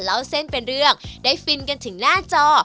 เล่าเส้นเป็นเรื่องได้ฟินกันถึงหน้าจอ